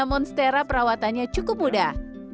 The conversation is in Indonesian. monstera perawatannya cukup mudah